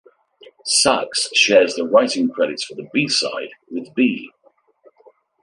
Sachs shares the writing credits for the B side with B.